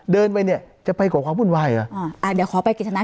เดินไปเนี้ยจะไปก่อความวุ่นวายอ่ะอ่าอ่าเดี๋ยวขอไปกิจธนา